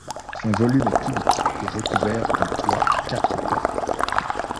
Son volume est cubique et recouvert d'un toit à quatre pans.